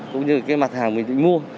cũng như mặt hàng mình định mua